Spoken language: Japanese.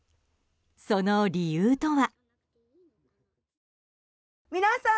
その理由とは。